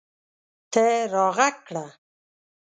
ته راږغ کړه